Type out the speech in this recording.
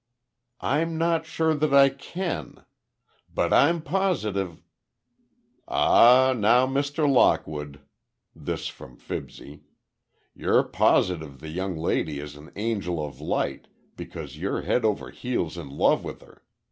"I'm not sure that I can. But I'm positive—" "Ah, now, Mr. Lockwood," this from Fibsy, "you're positive the young lady is an angel of light, because you're head over heels in love with her.